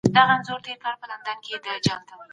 سود د معیشت لپاره یو ناسور دی.